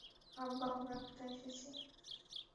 আব্বা, আমরা কোথায় এসেছি?